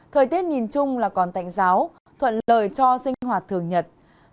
thời tiết nhìn chung là còn tạnh giáo thuận lời cho sinh hoạt thường nhật